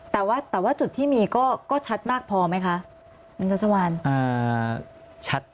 แต่ว่าจุดที่มีก็ชัดมากพอไหมคะอันตราสวรรค์